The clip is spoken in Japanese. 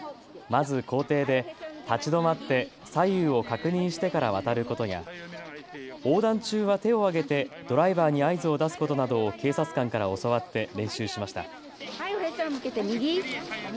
まず校庭で立ち止まって左右を確認してから渡ることや横断中は手を上げてドライバーに合図を出すことなどを警察官から教わって練習しました。